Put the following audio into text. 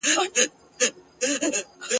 چي سیالان یې له هیبته پر سجده سي ..